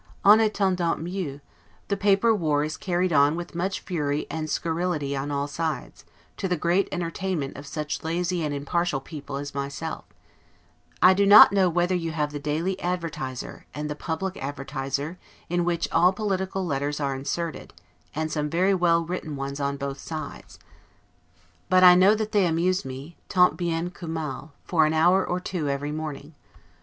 'En attendant mieux', the paper war is carried on with much fury and scurrility on all sides, to the great entertainment of such lazy and impartial people as myself: I do not know whether you have the "Daily Advertiser," and the "Public Advertiser," in which all political letters are inserted, and some very well written ones on both sides; but I know that they amuse me, 'tant bien que mal', for an hour or two every morning.